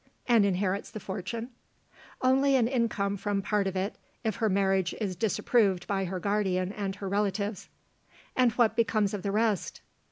"And inherits the fortune?" "Only an income from part of it if her marriage is disapproved by her guardian and her relatives." "And what becomes of the rest?"